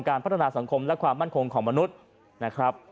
พัฒนาสังคมและความมั่นคงของมนุษย์นะครับ